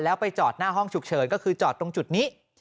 แล้วไปจอดหน้าห้องฉุกเฉินก็คือจอดตรงจุดนี้